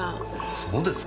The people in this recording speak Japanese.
そうですか。